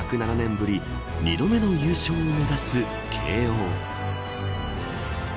ぶり２度目の優勝を目指す慶応。